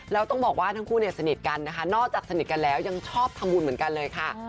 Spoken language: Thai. แล้วต้องบอกว่าทั้งคู่เนี่ยสนิทกันนะคะนอกจากสนิทกันแล้วยังชอบทำบุญเหมือนกันเลยค่ะ